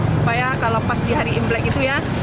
supaya kalau pas di hari imlek itu ya